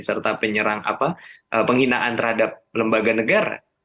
serta penyerangan apa penghinaan terhadap lembaga negara